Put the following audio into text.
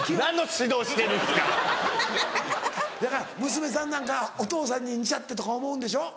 娘さんなんかお父さんに似ちゃってとか思うんでしょ？